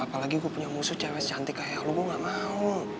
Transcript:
apalagi gue punya musuh cewek cantik kayak lu gue gak mau